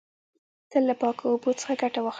تل له پاکو اوبو څخه ګټه واخلی.